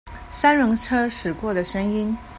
三輪車駛過的聲音